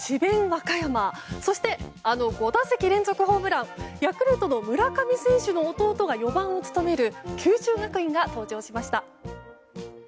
和歌山そして、５打席連続ホームランヤクルトの村上選手の弟が４番を務める九州学院が登場しました。